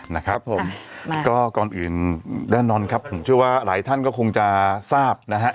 นะครับผมก็ก่อนอื่นแน่นอนครับผมเชื่อว่าหลายท่านก็คงจะทราบนะฮะ